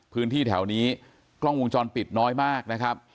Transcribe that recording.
พื้นที่แถวนี้กล้องวงจรปิดน้อยมากนะครับ